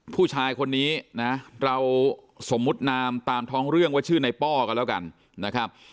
ผู้ชายคนนี้นะเราสมมุตินามตามท้องเรื่องว่าชื่อในป้อกันแล้วกันนะครับ